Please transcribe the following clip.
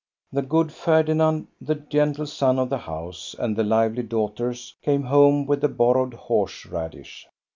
The good Ferdinand, the gentle son of the house, and the lively daughters came home with the bor rowed horse radish.